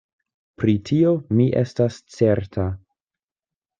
Pri tio mi estas certa.